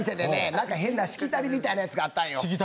なんか変なしきたりみたいなやつがあったんよ。